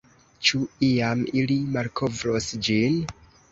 Ĉu iam ili malkovros ĝin?